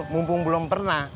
mumpung belum pernah